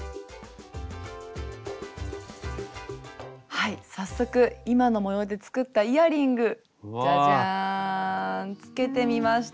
はい早速今の模様で作ったイヤリングじゃじゃんつけてみました。